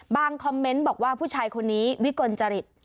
คอมเมนต์บอกว่าผู้ชายคนนี้วิกลจริต